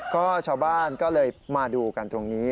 ก็ชาวบ้านก็เลยมาดูกันตรงนี้